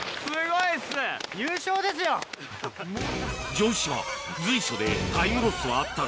城島随所でタイムロスはあったが